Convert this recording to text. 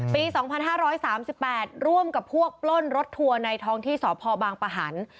ปี๒๕๓๘ร่วมกับพวกปล้นรถทัวร์ในท้องที่สพบางปะหัน